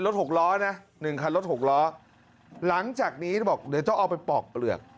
ทุกคันลด๖ล้อนะหลังจากนี้เดี๋ยวต้องเอาไปปอกเปลือก